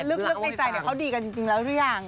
ลึกในใจเขาดีกันจริงแล้วหรือยัง